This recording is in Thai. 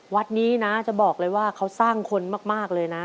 วัดนี้นะจะบอกเลยว่าเขาสร้างคนมากเลยนะ